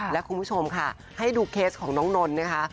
และคุณผู้ชมค่ะให้ดูเคสของน้องนนท์นะคะ